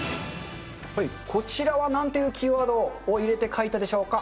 はい、こちらはなんていうキーワードを入れて描いたでしょうか。